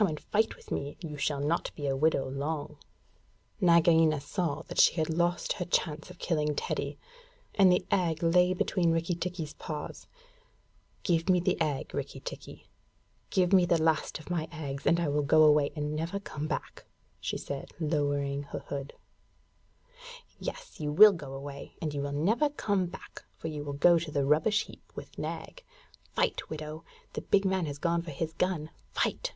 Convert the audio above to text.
Come and fight with me. You shall not be a widow long.' Nagaina saw that she had lost her chance of killing Teddy, and the egg lay between Rikki tikki's paws. 'Give me the egg, Rikki tikki. Give me the last of my eggs, and I will go away and never come back,' she said, lowering her hood. 'Yes, you will go away, and you will never come back; for you will go to the rubbish heap with Nag. Fight, widow! The big man has gone for his gun! Fight!'